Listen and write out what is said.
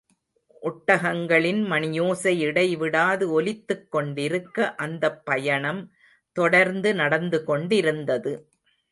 ஒட்டகங்களின் மணியோசை இடைவிடாது ஒலித்துக் கொண்டிருக்க அந்தப் பயணம் தொடர்ந்து நடந்துகொண்டிருந்தது.